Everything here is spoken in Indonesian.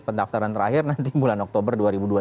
pendaftaran terakhir nanti bulan oktober dua ribu dua puluh